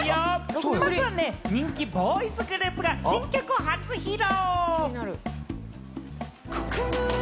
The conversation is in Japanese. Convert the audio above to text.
まずは人気ボーイズグループが新曲を初披露。